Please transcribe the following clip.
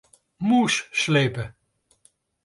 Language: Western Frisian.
Mûs slepe.